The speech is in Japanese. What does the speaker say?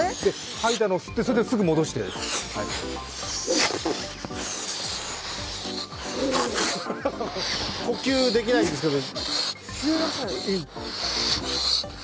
吐いたのを吸ってそれですぐ戻して呼吸できないんですけど。